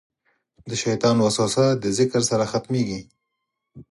د شیطان وسوسه د ذکر سره ختمېږي.